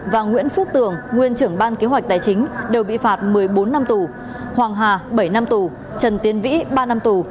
và nguyễn phước tường nguyên trưởng ban kế hoạch tài chính đều bị phạt một mươi bốn năm tù hoàng hà bảy năm tù trần tiến vĩ ba năm tù